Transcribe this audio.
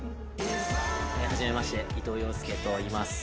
はじめまして伊藤庸介といいます。